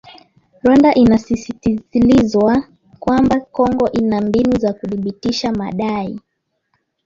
Rwanda inasisitizIwa kwamba Kongo ina mbinu za kuthibitisha madai